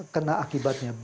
kena akibatnya